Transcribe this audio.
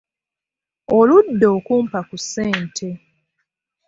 Oludde okumpa ku ssente.